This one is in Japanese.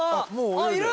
あっいる！